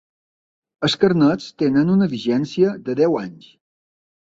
Els carnets tenen una vigència de deu anys.